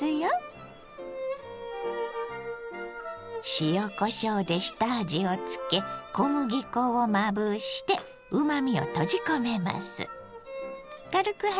塩こしょうで下味をつけ小麦粉をまぶしてうまみを閉じ込めます。